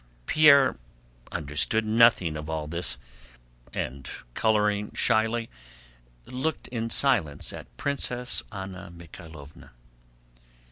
Pierre understood nothing of all this and coloring shyly looked in silence at Princess Anna Mikháylovna.